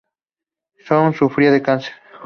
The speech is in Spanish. Shōji sufría de cáncer.